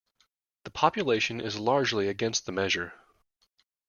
The population is largely against the measure.